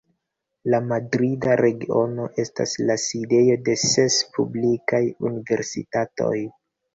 La Madrida Regiono estas la sidejo de ses publikaj universitatoj.